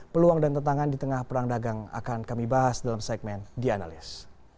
peluang dan tantangan di tengah perang dagang akan kami bahas dalam segmen the analyst